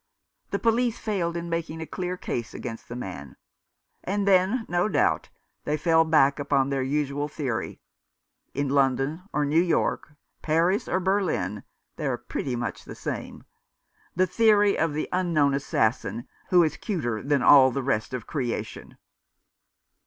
The police failed in making a clear case against the man ; and then, no doubt, they fell back upon their usual theory — in London, or New York, Paris, or Berlin, they are pretty much the same — the theory of the un known assassin who is cuter than all the rest of creation."